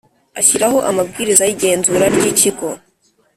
Ashyiraho amabwiriza y’igenzura ry’ikigo